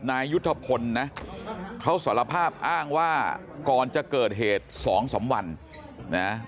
นายยุทธพลนะเขาสารภาพอ้างว่าก่อนจะเกิดเหตุ๒๓วันนะ